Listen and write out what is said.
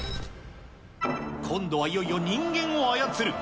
今度はいよいよ人間を操る。